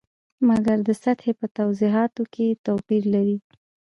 مګر د سطحې په توضیحاتو کې توپیر لري.